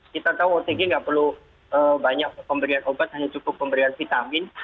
kita tahu otg tidak perlu banyak pemberian obat hanya cukup pemberian vitamin